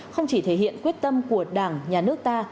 không chỉ thể hiện quyết tâm của đảng nhà nước ta